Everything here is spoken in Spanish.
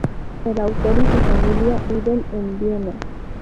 El autor y su familia viven en Viena.